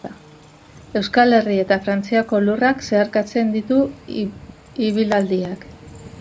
Euskal Herri eta Frantziako lurrak zeharkatzen ditu ibilaldiak.